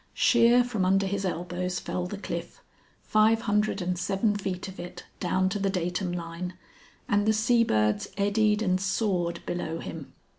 Sheer from under his elbows fell the cliff, five hundred and seven feet of it down to the datum line, and the sea birds eddied and soared below him.